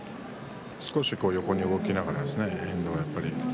少し横に動きながらですね遠藤は。